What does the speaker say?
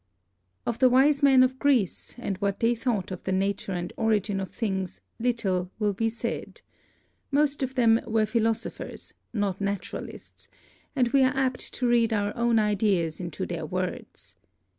Of the wise men of Greece and what they thought of the nature and origin of things little will be said. Most of them were philosophers, not naturalists, and we are apt to read our own ideas into their words.